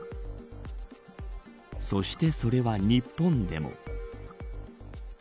そしてそれは、日本でも。